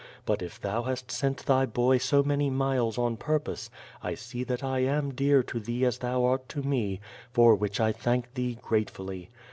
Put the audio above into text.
But if thou hast sent thy boy so many miles on purpose, 1 see that I am dear to thee as thou art to me, for which I thank thee gratefully.